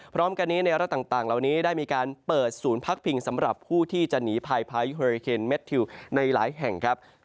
พร้อมกันในระดับต่างเหล่านี้ได้มีการเปิดภูมิสูญพักเพียงสำหรับผู้ที่จะหนีภายพายุเฮอร์ราเคนเมทิวในหลายแห่ง